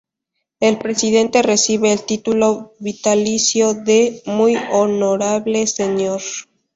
El presidente recibe el título vitalicio de "Muy honorable señor".